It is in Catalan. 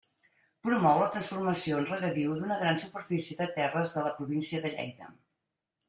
Promou la transformació en regadiu d'una gran superfície de terres de la província de Lleida.